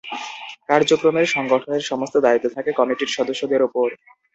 কার্যক্রমের সংগঠনের সমস্ত দায়িত্ব থাকে কমিটির সদস্যদের ওপর।